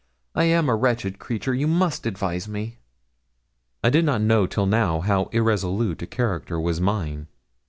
I am a wretched creature. You must advise me.' I did not know till now how irresolute a character was mine.